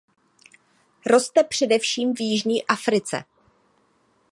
Roste především v jižní Africe.